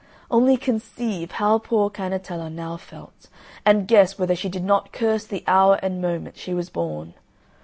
Only conceive how poor Cannetella now felt, and guess whether she did not curse the hour and moment she was born!